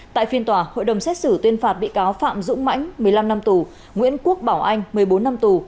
tại phiên tòa hội đồng xét xử tuyên phạt bị cáo phạm dũng mãnh một mươi năm năm tù nguyễn quốc bảo anh một mươi bốn năm tù